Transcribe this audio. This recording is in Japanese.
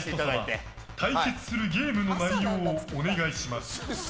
ゲスト様対決するゲームの内容をお願いします。